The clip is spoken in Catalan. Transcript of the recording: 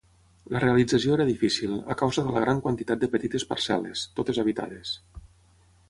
La realització era difícil, a causa de la gran quantitat de petites parcel·les, totes habitades.